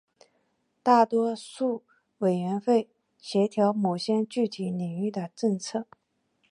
大多数委员会协调某些具体领域的政策。